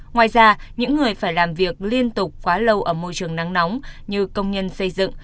ngoài ra những người phải làm việc liên tục quá lâu ở môi trường nắng nóng như công nhân xây dựng